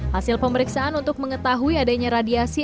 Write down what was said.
hasil pemeriksaan untuk mengetahui adanya radiasi